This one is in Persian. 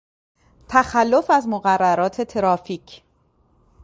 تخلف از مقررات ترافیک